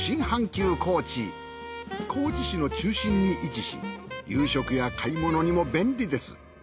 高知市の中心に位置し夕食や買い物にも便利です。